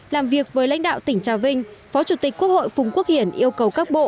làm việc với lãnh đạo tỉnh trà vinh phó chủ tịch quốc hội phùng quốc hiển yêu cầu các bộ